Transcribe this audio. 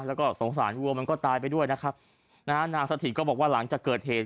แล้วก็สงสารวัวมันก็ตายไปด้วยนะครับนะฮะนางสถิตก็บอกว่าหลังจากเกิดเหตุ